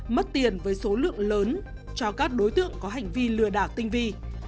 mất tiền với số lượng lớn cho các đối tượng có hành vi lừa đảo tinh vi